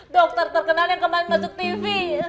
dokter terkenal yang kemarin masuk tv